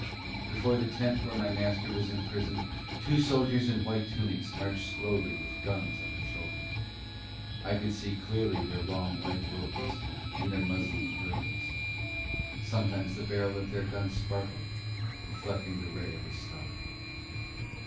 Before the tent where my Master was imprisoned two soldiers in white tunics marched slowly with guns on their shoulders. I could see clearly their long white robes, and their muslin turbans. Sometimes the barrel of their gun sparkled, reflecting the ray of a star.